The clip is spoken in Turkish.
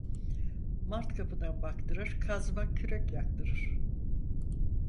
Mart kapıdan baktırır, kazma kürek yaktırır.